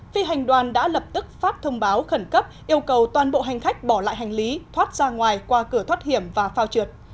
phi hành đoàn đã lập tức phát thông báo khẩn cấp yêu cầu toàn bộ hành khách bỏ lại hành lý thoát ra ngoài qua cửa thoát hiểm và phao trượt